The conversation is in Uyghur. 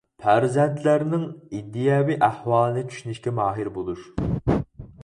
پەرزەنتلەرنىڭ ئىدىيەۋى ئەھۋالىنى چۈشىنىشكە ماھىر بولۇش.